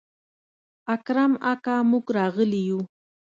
اکرم اکا موږ راغلي يو.